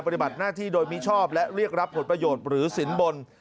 ปฏิบัติหน้าที่โดยมิชอบและเรียกรับผลประโยชน์หรือสินบน